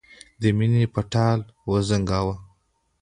د مینې په ټال وزنګاوه.